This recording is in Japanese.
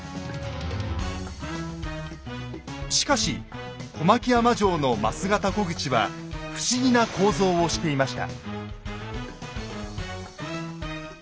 しかし小牧山城の枡形虎口は不思議な構造をしていました。